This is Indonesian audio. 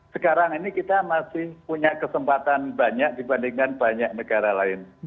sekarang ini kita masih punya kesempatan banyak dibandingkan banyak negara lain